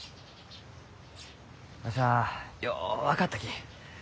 わしはよう分かったき。